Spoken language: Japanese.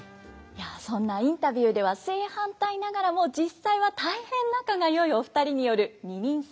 いやそんなインタビューでは正反対ながらも実際は大変仲が良いお二人による「二人三番叟」。